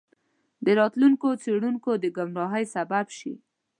د راتلونکو څیړونکو د ګمراهۍ سبب شي.